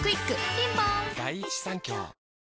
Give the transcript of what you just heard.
ピンポーン